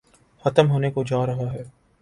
ختم ہونے کوجارہاہے۔